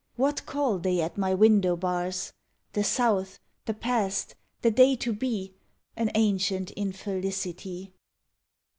What call they at my window bars? The South, the past, the day to be, An ancient infelicity.